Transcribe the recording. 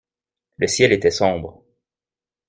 Le ciel était sombre.